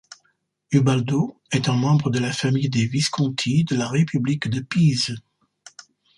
Ubaldo est un membre de la famille des Visconti de la république de Pise.